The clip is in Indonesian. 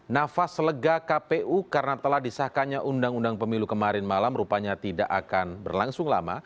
nafas lega kpu karena telah disahkannya undang undang pemilu kemarin malam rupanya tidak akan berlangsung lama